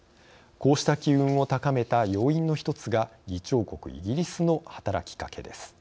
こうした機運を高めた要因の１つが議長国イギリスの働きかけです。